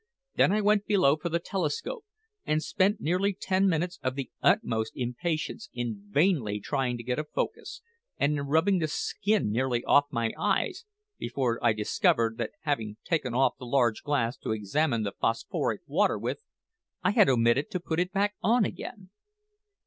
Then I went below for the telescope, and spent nearly ten minutes of the utmost impatience in vainly trying to get a focus, and in rubbing the skin nearly off my eyes, before I discovered that having taken off the large glass to examine the phosphoric water with, I had omitted to put it on again.